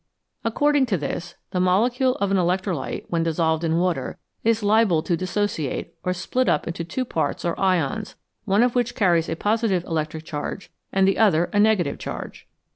According to this, the molecule of an electrolyte, when dissolved in water, is liable to "dissociate," or split up into two parts or " ions," one of which carries a positive electric charge and the other a negative charge.